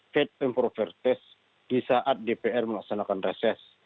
fed pemprovvertes di saat dpr melaksanakan reses